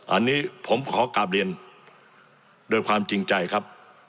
อันนี้ผมขอกลับเรียนด้วยความจริงใจครับ